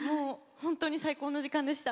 本当に最高の時間でした。